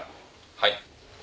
はい。